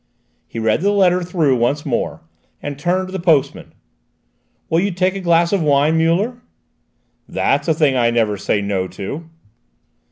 He read the letter through once more, and turned to the postman. "Will you take a glass of wine, Muller?" "That's a thing I never say 'no' to."